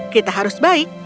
kita harus baik